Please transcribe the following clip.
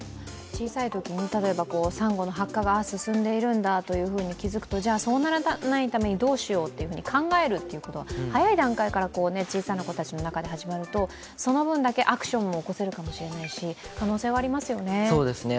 小さいときにサンゴの白化が進んでいるんだということに気付くと、そうならないためにどうしようと考えることが、早い段階から小さな子たちで始まると、その分だけアクションも起こせるかもしれないし可能性はありますよね。